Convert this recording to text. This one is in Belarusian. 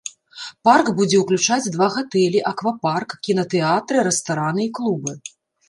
Парк будзе ўключаць два гатэлі, аквапарк, кінатэатры, рэстараны і клубы.